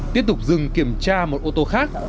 tiếp tục dừng kiểm tra một ô tô khác